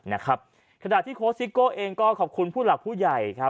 หัวสิทธิ์เองก็ขอขอบคุณหลักผู้ใหญ่